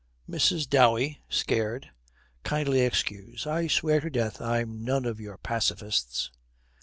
MRS. DOWEY, scared, 'Kindly excuse. I swear to death I'm none of your pacifists.'